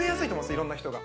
いろんな人が。